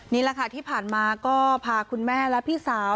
นี่แหละค่ะที่ผ่านมาก็พาคุณแม่และพี่สาว